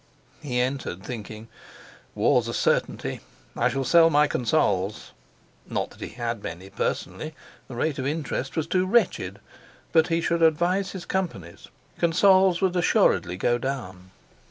He entered, thinking: "War's a certainty. I shall sell my consols." Not that he had many, personally, the rate of interest was too wretched; but he should advise his Companies—consols would assuredly go down.